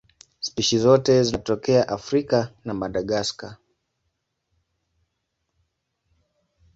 Spishi zote zinatokea Afrika na Madagaska.